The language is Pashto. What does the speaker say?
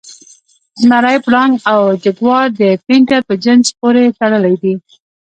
زمری، پړانګ او جګوار د پینتر په جنس پورې تړلي دي.